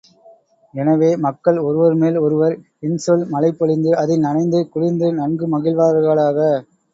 எனவே, மக்கள் ஒருவர்மேல் ஒருவர் இன்சொல் மழை பொழிந்து அதில் நனைந்து குளிர்ந்து நன்கு மகிழ்வார்களாக!